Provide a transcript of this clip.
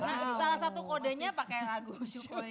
salah satu kodenya pakai lagu syukur ini